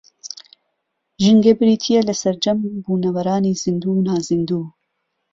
ژینگە بریتییە لە سەرجەم بوونەوەرانی زیندوو و نازیندوو